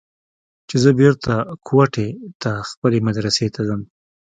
چې زه بېرته کوټې ته خپلې مدرسې ته ځم.